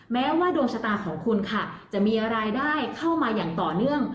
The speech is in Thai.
แม้ว่าดวงชะตาของคุณค่ะจะมีรายได้เข้ามาอย่างต่อเนื่อง